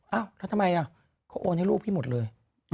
แล้วทำไมเขาโอนให้ลูกพี่หมดเลย